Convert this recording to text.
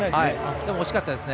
でも惜しかったですね。